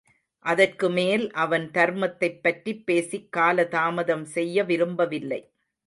அதற்கு மேல் அவன் தர்மத்தைப் பற்றிப் பேசிக் காலதாமதம் செய்ய விரும்பவில்லை.